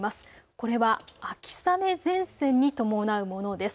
これは秋雨前線に伴うものです。